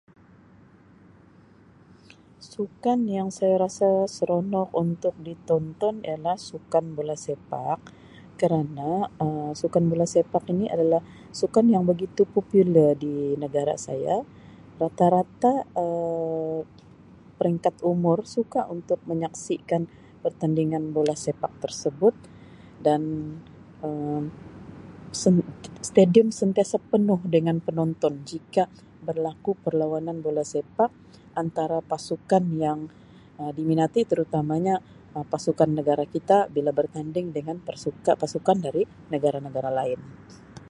"Sukan yang saya rasa seronok untuk di tonton ialah sukan Bola Sepak kerana Um sukan Bola Sepak ini adalah sukan yang begitu ""popular"" di negara saya rata-rata Um peringkat umur suka untuk menyaksikan pertandingan Bola Sepak tersebut dan Um stadium sentiasa penuh dengan penonton jika berlaku perlawanan Bola Sepak antara pasukan yang Um diminati terutamanya Um pasukan negara kita bila berhinding dengan pasuka- pasukan dari negara-negara lain."